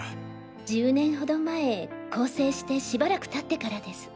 １０年ほど前更生してしばらく経ってからです。